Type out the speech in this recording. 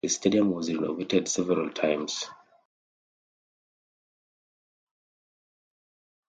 The stadium was renovated several times.